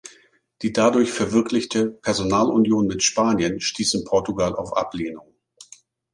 Die dadurch verwirklichte Personalunion mit Spanien stieß in Portugal auf Ablehnung.